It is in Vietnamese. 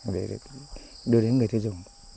để đưa đến người thư giữ